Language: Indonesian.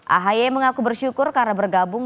ahy mengaku bersyukur karena bergabung